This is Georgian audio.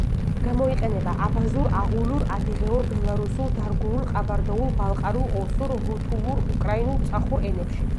გამოიყენება აბაზურ, აღულურ, ადიღეურ, ბელარუსულ, დარგუულ, ყაბარდოულ, ბალყარულ, ოსურ, რუთულურ, უკრაინულ, წახურ ენებში.